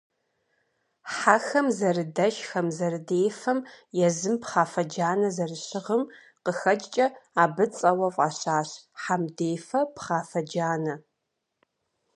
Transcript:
Хьэхэм зэрыдэшхэм, зэрыдефэм, езым пхъафэ джанэ зэрыщыгъым къыхэкӀкӀэ абы цӀэуэ фӀащащ «Хьэмдефэ Пхъафэджанэ».